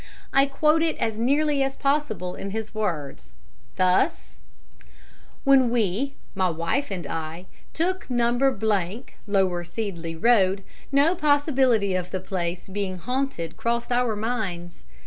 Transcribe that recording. I quote it as nearly as possible in his words, thus: "When we my wife and I took No. Lower Seedley Road, no possibility of the place being haunted crossed our minds.